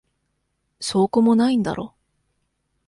証拠もないんだろ。